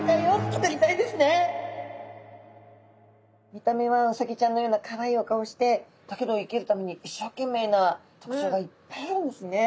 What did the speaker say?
見た目はウサギちゃんのようなかわいいお顔をしてだけど生きるために一生懸命な特徴がいっぱいあるんですね。